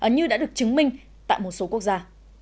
như đã được chứng minh tại một số quốc gia